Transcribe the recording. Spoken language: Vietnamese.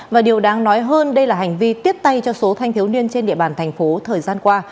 và điều đáng nói hơn đây là hành vi tiếp tay cho số thanh thiếu niên trên địa bàn thành phố thời gian qua